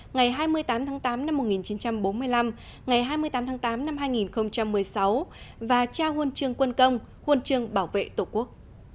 ngày hai mươi tám tháng tám năm một nghìn chín trăm bốn mươi năm ngày hai mươi tám tháng tám năm hai nghìn một mươi sáu và trao huân chương quân công huân chương bảo vệ tổ quốc